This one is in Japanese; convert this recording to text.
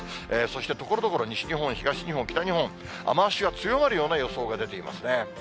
そしてところどころ、西日本、東日本、北日本、雨足が強まるような予想が出ていますね。